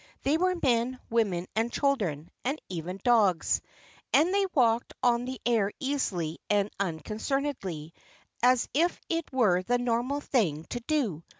They were men, women, children, and even dogs, and they walked on the air easily and unconcernedly, as if it were the normal thing to do.